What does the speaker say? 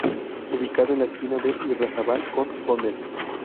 Ubicado en la esquina de Irarrázabal con Condell.